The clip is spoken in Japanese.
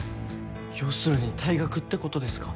要するに退学ってことですか？